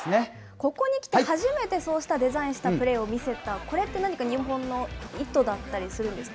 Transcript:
ここにきて初めてそうしたデザインしたプレーを見せた、これって何か日本の意図だったりするんですか。